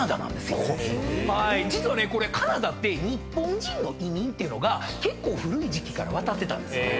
実はねカナダって日本人の移民っていうのが結構古い時期から渡ってたんですね。